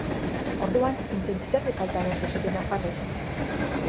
Orduan intentsitate falta agertu zuten nafarrek.